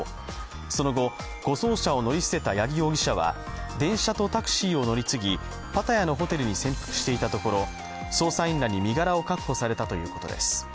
その後、護送車を乗り捨てた八木容疑者は電車とタクシーを乗り継ぎパタヤのホテルに潜伏していたところ、捜査員らに身柄を確保されたということです。